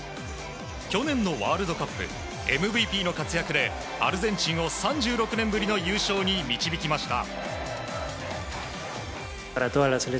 去年のワールドカップＭＶＰの活躍でアルゼンチンを３６年ぶりの優勝に導きました。